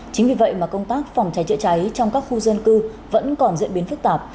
chính vì vậy mà công tác phòng trái trịa trái trong các khu dân cư vẫn còn diễn biến phức tạp